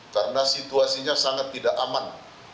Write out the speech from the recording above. karena situasinya sangat tidak aman